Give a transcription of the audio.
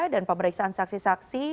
dan pemeriksaan saksi saksi